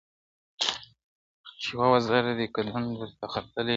چي بې وزره دي قدم ته درختلی یمه!.